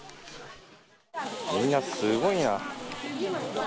みんなすごいな。